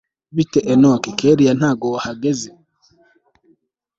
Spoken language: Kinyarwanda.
bite enock kellia ntago wihgeze